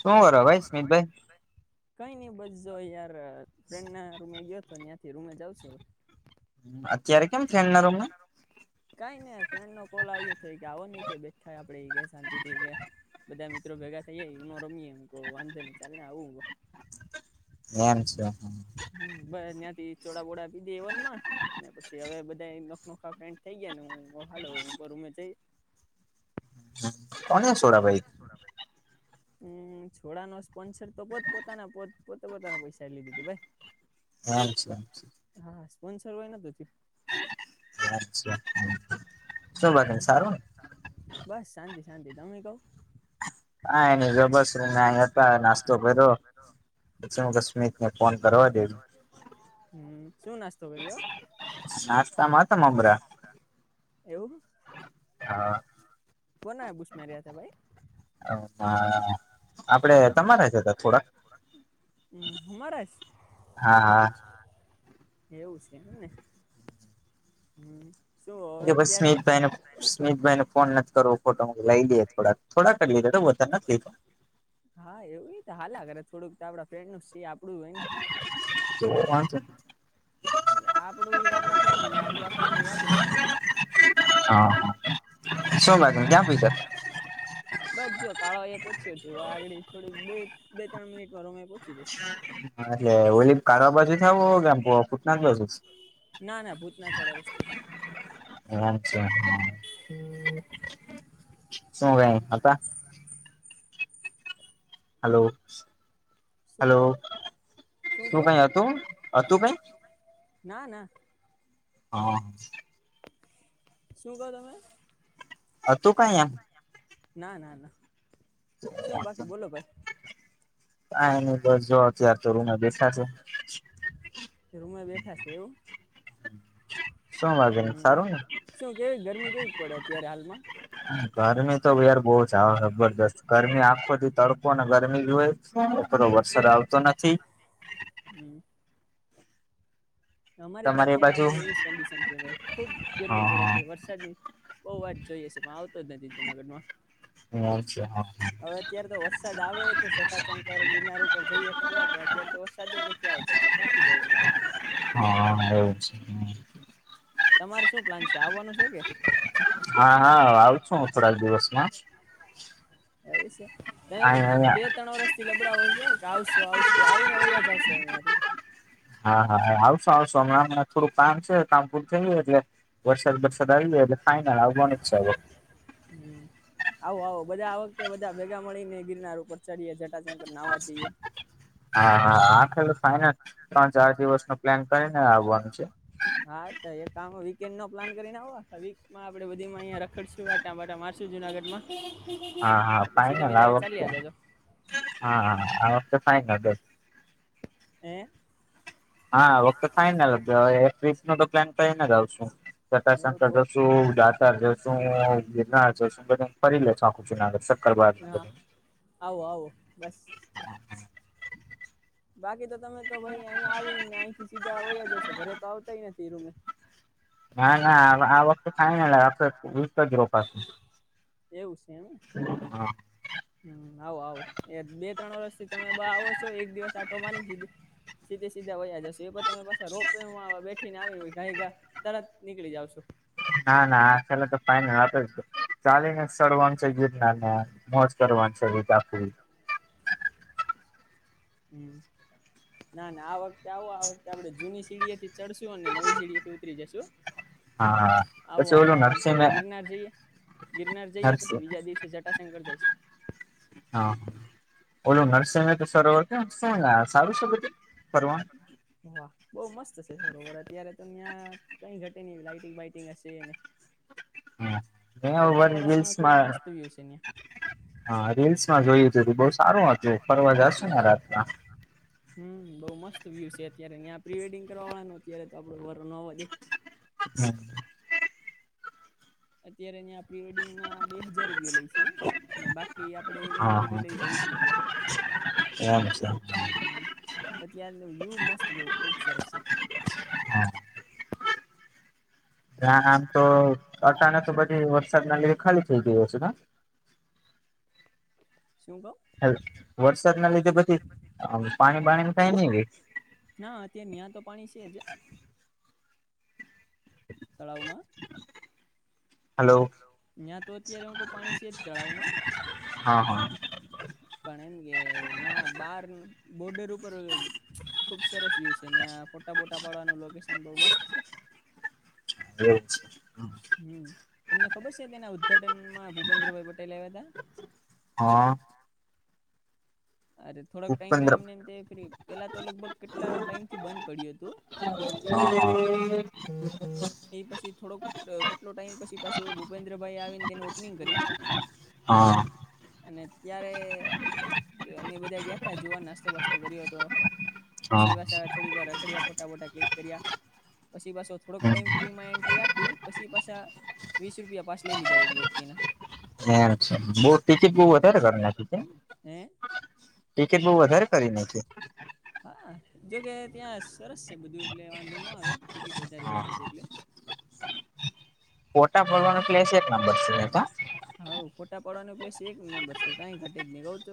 શું કરો ભાઈ, સુમિતભાઈ? કઈ નઈ બસ જો યાર ફ્રેન્ડના રૂમે ગયો તો, ત્યાંથી રૂમે જાવ છું અવે અત્યારે કેમ ફ્રેન્ડના રૂમમાં? કઈની આ ફ્રેન્ડ નો કોલ આવ્યો થ કે આવો નઈ કે બેઠાય આપડેઈ કી શાંતિ થી કે બધા મિત્રો ભેગા થઈએ, યુનો રમીએે, મેં કવ વાંધો નહી, ચાલ ને આવું એમ છે, હા. હમ્મ, બ ત્યાથી ચોડાબોડા પીધી એવનમાં, ને પછી હવે બધા નખ નખા ફ્રેન્ડ થઈ ગયા. ને હું હાલ અવે રૂમ પર જઈએ કોને સોડા પાઈ? હમ્મ, સોડાનો સ્પોન્સર તો પોત પોતાના પોતે પોતાના પૈસા લીધી ભાઈ. અચ્છા એમ છે. [unintelligible] [unintelligible] શું ભાઈ સારુ ને? શાંતિ, તમે કવ? હા, એને જો બસ નહિયાતા, નાસ્તો કરિયો. પછી હું કવ સ્મિતને ફોન કરવા દેજો હમ્મ શું નાસ નાસ્તામાં હતા મામરા. હા. કોના બુસ્મેર્યા ભાઈ? હમ્મ, હા, આપડે તમારા હતા થોડાક હમ્મ, હમારાજ? હા, હા. એવું છે, એમને હમ્મ. બસ સ્મિતભાઈને સ્મિતભાઈ ને ફોન નથી કરવો, ખોટો લઈ લઈએ થોડાક, થોડાક જ લીધાતા તને નથી તો હા, એવુંઈ હાલ્યા કરે થોુંક આપડા ફ્રેન્ડનું એ આપડું હોયને, આપડું ઈ આપડા ફ્રેન્ડનું ને આપ ફ્રેન્ડ નું એ આપડું શું લાગે, ક્યાં પોચિયા? બસ જો કાળો એ પહોચ્યો છ આગળ થોડી બે ત્રણ મિનિટમાં રૂમે પહોચી જઈશ. હા જો આ ઓલી ના ના ભૂતના છોડે રસ્તેથી અચ્છા હા, શું કેવ હતા? હાલો. હાલો શું કઈ હતું, હતું કઈ? ના ના હા. શું કવ તમે? હતું કઈ, એમ? ના ના ના શું બાકી, બોલો ભાઈ? કઈ નઈ બસ જો, અત્યારે તો રૂમે બેઠા છે. હ હમ્મ, શું કેવી, ગરમી કેવી પડે અત્યારે હાલમાં? ગરમીતો યાર બો [unintelligible] જબરજસ્ત ગરમી આખોદી તડકો ને ગરમી જો હોય તો વરસાદ આવતો નથી અમારે પણ અત્યારે અહીંયા એવી જ કંડિશન છે ભાઈ, ખુબ ગરમી પડે છે, વરસાદની બહુ વાત જોઈએ છે, પણ આવતો જ નથી જુનાગઢમાં અચ્છા, હા. હવે અત્યારે તો વરસાદ આવે તો સટાશંકર, ગિરનાર ઉપર જઈએ ફરવા, પણ અત્યારે તો વરસાદજ નથી આવતો. ક્યાં થી જવું મારે હા છે તમારે શું પ્લાન છે આવવાનું છે કે હા હા આવું છું થોડા દિવસમાં એવું છે તમે બે ત્રણ વર્ષ થી લબડાવો છો જો આવશો આવશું આવી ને વહીયા જાવા છો અહીથી હા હા આવશો આવશો હ આમ થોડું કામ છે કામ પૂરું થઈ ગયું એટલે વરસાદ વરસાદ આવી જાય એટલે ફાઈનલ આવાનું છે હમ આવો આવો બધા આ વખતે બધા ભેગા મળીને ગિરનાર ઉપર ચડીએે જટાશંકર નાવા જઈએ હા હા આવખતે ફાઇનલ [unintelligible] પ્લાન કરીને આવ વીકમાં આપણે બધી માંં રખડશું આટા બાટા મારશું જુનાગઢમાં હા હા ફાઈનલ આવખતે હા હા આવતે ફાયનસ હે હા વખત થાયને હવે એક વસ નો તો પ્લાન થઈને જ આવશે શટશંકર જશું દાતર જશું ગિરનાર જશું બધ ફરી લશો આખું છું હ આવો આવો બસ બાકી તો તમે તો ભાઈ અહીંયા આવીને અહીંથી સીધા આવયા જશો ઘરે તો આવતાય નથી રુમે ના ના આ વખતે આવખતે [unintelligible] એવું છે એમ હમ આવો આવો બે ત્રણ વર્ષથી તમે આવો છો એક દિવસ આટો માની દીધી સીધે સીધા વયા જશો એ પણ તમે પાછા રોપવેમાં બેઠીને આવી હો ગાઈ ગા તરત નીકળી જાવશો ના ના ફેરતો ફાઈન [unintelligible] ચાલી ને જ ચડવાનું છે ગીરનાર ને મોજ કરવાનું છે ગીત આડી હમ ના ના આ વખતે આવો આ વખતે આપડણે જૂની સીડીએથી ચડશું અને નવી સીડી થી ઉતરી જશું હા આવો આવો આ વખતે ગિરનાર જઈએ ગિરનાર જઈએ પછી બીજા દિવસે જટાશંકર જઈશ હા હ ઓલું નરસિંહ તો સરોવર કેમ શું સારું છે બધું ફરવાનું બહું મસ્ત છે બરોબર અત્યારે તો ત્યાં કઈ ઘટે ન લાઈટીગ બાઈટંગ હશેને [unintelligible] જોયું બહું સારું હતું ફરવા જશું રાતમાં હમ બઉુ મસ્ત વ્યુ છે અત્યારે ત્યાં પ્રીવેડિંગ કરવા વાળનો અત્યારે તો આપડો ઘર નવા દે [unintelligible] અત્યારેં પ્રીવેડિંગમાં બે હજાર રૂપિયા લઈ છે ને બાકી હા હ એમ છે અત્યારનુ વ્યુ મસ્ત ખુબ સરસ છે [unintelligible] ના આમ તો અટા તો પછી વરસાદ ના લીધે ખાલી થઈ ગયો છે હસે કા હ વરસાદ ના લીધે પછી પાણી બાણી [unintelligible] ના અત્યારે ન્યાં તો પાણી છે જ તળાવમાં હલો ત્યાં તો અત્યારે એવુ કો પાણી છે જ તળાવમાં [unintelligible] ત્યાં બાર બોર્ડર ઉપર ખુબ સરસ વ્યુ છે ત્યાં ફોટા બોટા પાડવાનું લોકેશન બહુ મસ્ત છે એ જ. હમ્મ તમને ખબર છે તેના ઉદઘાટન માં ભૂપેન્દ્રભાઈ પટેલ આવ્યા હતા. હા. અરે થોડાક ટાઈમ તો એમને [unintelligible] પેલા તો લગભગ કેટલા ટાઈમ થી બંધ પડી હતી. [unintelligible] કેટલો ટાઈમ પછી પાછું ભૂપેન્દ્ર ભાઈ આવીને તેનું ઓપનિંગ કરી. હા. અને ત્યારે અમે બધા ગયા હતા જોવા નાસ્તો બાસ્તો કર્યો હતો. પછી પાશા થોડીક વાર રખડિયા ફોટા બોટા ક્લિક કર્યા પછી પાછો થોડોક ટાઈમ ફ્રીમાં એન્ટ્રી આપી પછી પાછા વીસ રૂપિયા પાસ લઈ લીધા એક વ્યક્તિના ચ બહુ ટીકિટ બહુ વધારે કર નાખી છે. ટિકિટ બહુ વધારે કરી નાખી. જોકે ત્યાં સરસ છે બધું એટલે વાંધો ન આવે ટિકિટ વધારે કર દીંધી એટલે. ફોટા પાડવાનો પ્લેસ એક નંબર છે. ફોટા પાડવાનો પ્લેસ એક નંબર છે કઈ ઘટે જ નહી કઉ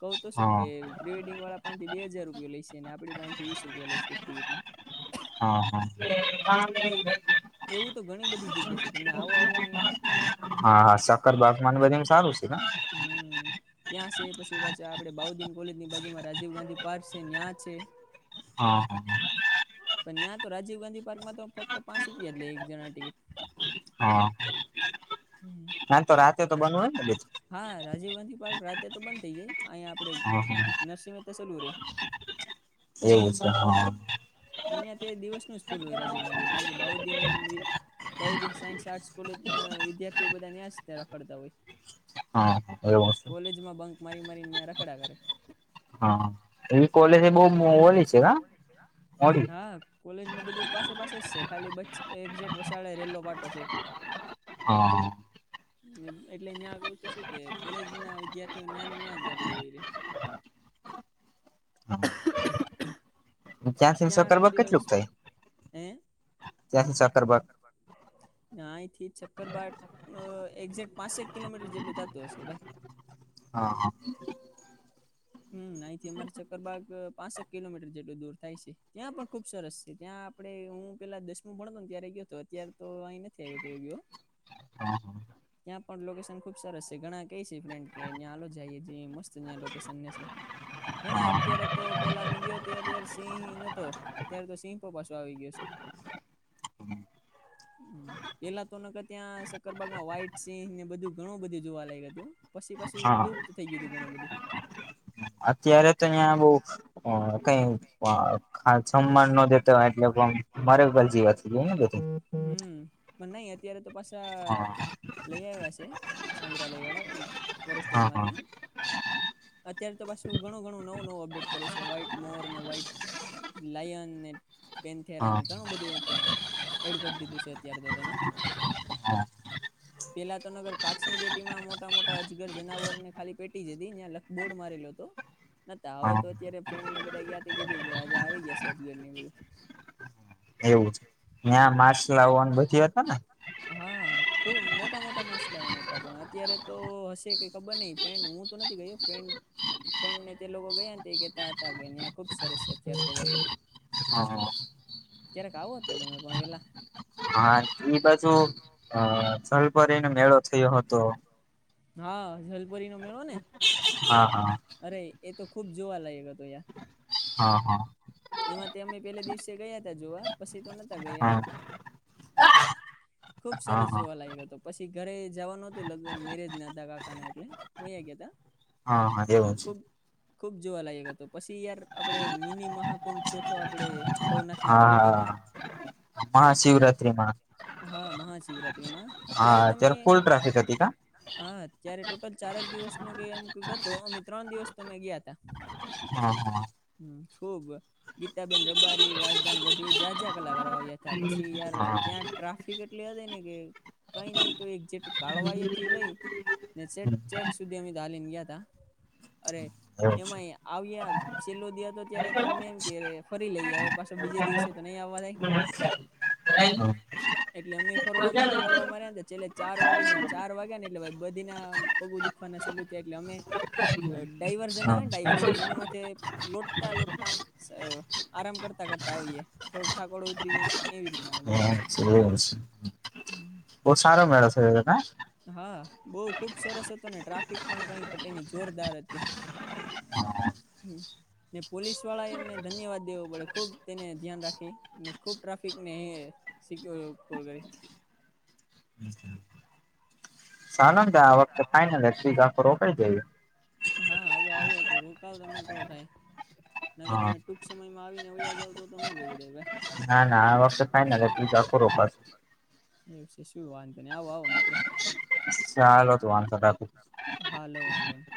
કઉ તો શું કે પ્રિવેડિંગ વાળા પાહથી બે હજાર રૂપિયા લઈશે આપણી પાહ થી વીસ રૂપિયા લઈશે એક ટિકિટ ના. હા હા. અરે એવું તો ઘણી બધી જગ્યા છે તમે આવો આવો અહીંયા. હા હા સક્કર બાગવાન બધા એ સારું છે ના. ત્યાં છે પછી પાછા આપડે બાઉદીન કોલેજની બાજુમાં રાજીવ ગાંધી પાર્ક છે્ યાં છે. હા હા. પણ ન્યાં તો રાજીવ ગાંધી પાર્ક માં તો ફક્ત પાંચ રૂપિયા જ લે એક જણા ટિકિટ ના. ના તો રાતે તો બનવાને બીજું રાજીવ ગાંધી પાર્ક રાતે તો બંધ થઇ જાય અહીંયા આપડે નરસિંહ મહેતા ચલું રે. એ છે હા. પણ અ્યાંયા તે દિવસનુ જ ખુલુ હોય રાજીવ ગાંધી કેમ કે બાઉદીન. બાઉદીન સાયન્સ આર્ટલે કોલેજના વિદ્યાર્થીઓ બધા યાશ જ રખડતા હોય. હા હા એવું. બંક મારી મારીને ત્યા રખડાયા કરે. એવી કોલેજ હા. કોલેજ ને બધું પાસે પાસે જ છે ખાલી બ એઝેકટ વસાળે રેલો પાટો છે. હા. એટલે ત્યાં કહુ તો શું કે કોલેજ ના વિદ્યાર્થીઓ ન્યાને ન્યાં જ આપડે હોય. [inaudible] ત્યાંથી સકકરવ કેટલુંક થાય. હે. ત્યાંથી સાક્કરબાગ અહીથી ચક્કરબાટ એક્ઝેક્ટ પાંસક કિલોમીટર જેટલું થતું હશે ભાઈ. હા હા. હમ્મ અહીંથી અમારે ચક્કરબાગ પાંસઠ કિલોમીટર જેટલું દૂર થાય છે ત્યાં પણ ખુબ સરસ છે ત્યાં આપડે હું પેલા દસમું ભણતો ને ત્યારે ગયો હતો અત્યારે તો અહીં નથી આવ્યો ગયો. હા [inaudible] હા. ત્યાં પણ લોકેશન ખુબ સરસ છે ઘણા કઈ છે ફ્રેન્ડ કે ત્યાં આાલ જઈએ મસ્ત્યા લોકેશન નેસે. [inaudible] ઘણા અત્યારે તો પેલા મિલિયો તે દેર સિંહ નતો અત્યારે તો સિંહપ પાસો આવી ગયો છે. હમ પેલા તો ન ત્યાં સક્કરબાગમાં વ્હાઈટ સિંહ ને બધું ઘણું બધું જોવા લય હતું. પછી પાછું લુપ્ત થઇ ગયું હતું ઘણું બધું અત્યારે તો અહીં બહ કઈ સન્માન ન દેતા હોય એટલે મારે જીવાત ને બધ પણ નહી અત્યારે તો પાછા લઈ આવ્યા છે સંગ્રહાલય વાળા ફોરેસ્ટર માંથી અત્યારે તો પાછું ઘણું ઘણું નવું નવું અપડેટ કરે છે વ્હાઈટ મોર અને વહાઈટ લયનને ઘણું બધુંડ કરી દીધું છે અત્યારે તો તે હા પેલા તો નગર કાચની પેટીમાં મોટા મોટા અજગર જનાવર ને ખાલી પેટી જ હતીં બોડ મારી લ્યો તો ન હવે તો અત્યારે ફ્રેન્ડ ને બધા ગયાથી કીધું કે આજે આવી ગયા છે અજગર બધું એવું ત્યાં માર્સલા આવન બધી હતા ને ખુબ મોટા મોટા માછલાઓને હતા પણ અત્યારે તો હશે કઈ ખબર નહ ફ્રેન્ડ હું તો નથી ગયો ફ્રેન્ડ ફડ ને તે લોકો ગયા ત કેતા હતા ગઈને આ ખુબ સરસ છે અત્યારે તો ક્યારેક આવો હતો તમે પણ પેલા હા એઈ બાજુ અ સલભરીનો મેળો થયો હતો હા જલપુરી નો મેળો ને હા હા ખુબ જોવા લાગે તો યાં હા હા એમાં અમે પેલા દિવસે ગયા ત જોવા પછી તો નતા ગયા અ ખુબ સરસ જોવા લાગ્યો હતો પછી ઘરે જવાનું હતું લગ્ન મેરેજ ના હતા કાકા ના એટલે હ ગયા કા હા હા એવું છે ખુબ જોવા લયક હતો પછી યાર આપડે મિની મહાકુંભ થયો તો આપણે હા હા મહાશિવરાત્રી માં શિવરામાં ત્યારે તમે હ ત્યારે, ચારેક દિવસ ન એમ હત અમે ત્રણ દિવસ તો અમે ગયા ત હા હા, હ ખુબ ગીતાબેન રબારી રાજદાન ગઢવી જ્યાં જ્યાં કલાકારો આવ્યા હતા પછી યાર, ત્યાં ટ્રાફિક એટલે હ ને કે કઈ નહી, તો એજેટ કાળવાયથી લઈ. ચેક સુધી અમેાલીને ગયા તા અરે એમાં આવ્યા. છેલ્લો દ તો ત્યારે તો અમને એમ કે ફરી લઈએ હવે, પાછો બીજે દિવસે તો નહી આવવા થાય. એ તો એટલે અમે ફર ને ફરવા માર્યા ને છેલ્લે ચાર વાગી જયા ને ચાર વાગ્યા ને એટલે બધી પગું થ એટલે અમે ડાઈવર્ઝન ડવર્ન એની લોટતા લોટતા આરામ કરતા કરતા આવીયે થોડોક થાકોડો ઉતરી જાય એવી રીત હ સ છે હમ બહ સારો મેળો થ ત બઉ ખુબ સરસ હતો ને ટ્રાફિક પણ કઈ ઘટેની જોરદાર હતી હમ ને પોલીસ વાળાને ધન્યવાદ દેવો પડે ખુબ તેને ધ્યાન રાખીને ખુબ ટ્રાફિક ને સીખ કો કરીારે હમ ચલેો ને આ વખતે ફાઈનલ ગ આખ રોકડી જઈએ હા આવું આવું હતું રોકાવ તમે તો થાય ના કે તમે ટૂક સમયમાં આવીનેળયા જાવ તો નો ભેગું થ ભાઈ ના ના આ વખતે થાય તું ચાખું રોકાશે એવું છે, શું વાંધો ને આવો આવો મિત્ર ચાલો તો વાંધ હાલો વાંધેને